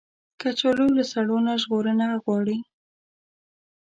کچالو له سړو نه ژغورنه غواړي